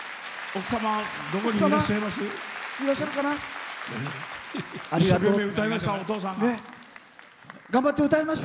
奥様どこにいらっしゃいます？